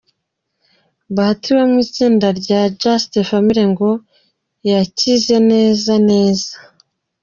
Bahati wo mu itsinda rya Just Family ngo yakize neza neza.